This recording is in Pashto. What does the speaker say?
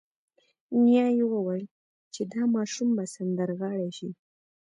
نیا یې وویل چې دا ماشوم به سندرغاړی شي